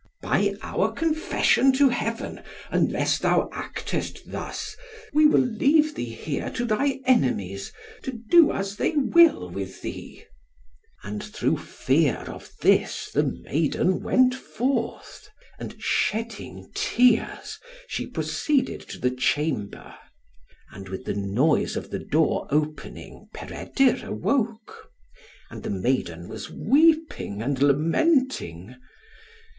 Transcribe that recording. "By our confession to Heaven, unless thou actest thus, we will leave thee here to thy enemies, to do as they will with thee." And through fear of this, the maiden went forth; and shedding tears, she proceeded to the chamber. And with the noise of the door opening, Peredur awoke; and the maiden was weeping and lamenting.